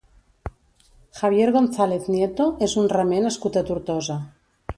Javier Gonzalez Nieto és un remer nascut a Tortosa.